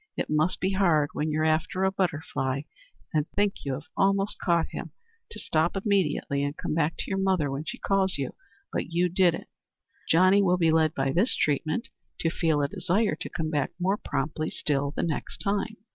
It must be hard, when you are after a butterfly and think you have almost caught him, to stop immediately and come back to your mother when she calls you; but you did it," Johnny will be led by this treatment to feel a desire to come back more promptly still the next time.